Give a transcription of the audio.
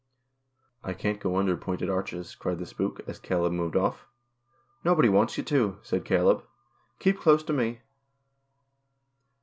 " I can't go under pointed arches," cried the spook, as Caleb moved off. " Nobody wants you to," said Caleb. " Keep close to me."